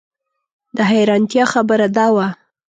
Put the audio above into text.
د حیرانتیا خبره دا وه.